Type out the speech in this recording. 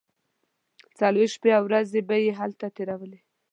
څلوېښت شپې او ورځې به یې هلته تیرولې.